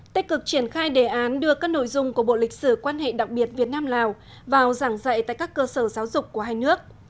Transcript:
tích cực triển khai đề án đưa các nội dung của bộ lịch sử quan hệ đặc biệt việt nam lào vào giảng dạy tại các cơ sở giáo dục của hai nước